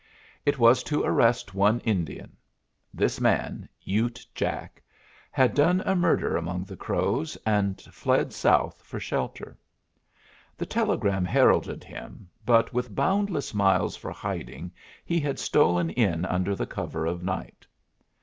It was to arrest one Indian. This man, Ute Jack, had done a murder among the Crows, and fled south for shelter. The telegram heralded him, but with boundless miles for hiding he had stolen in under the cover of night.